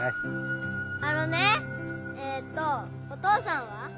あのねえっとお父さんは？